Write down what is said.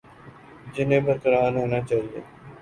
جنہیں برقرار رہنا چاہیے